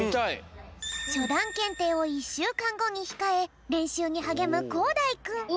しょだんけんていを１しゅうかんごにひかえれんしゅうにはげむこうだいくん。